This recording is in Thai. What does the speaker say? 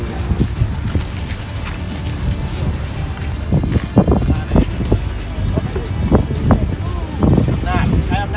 รถแข่งสนในกระบะมันไม่เข้าหมด